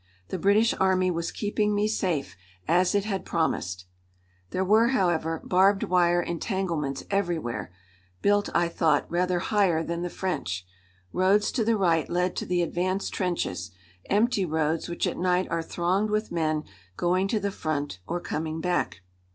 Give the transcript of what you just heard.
The British Army was keeping me safe, as it had promised! There were, however, barbed wire entanglements everywhere, built, I thought, rather higher than the French. Roads to the right led to the advanced trenches, empty roads which at night are thronged with men going to the front or coming back.